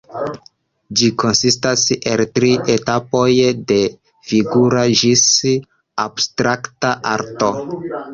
Ĝi konsistas el tri etapoj, de figura ĝis abstrakta arto.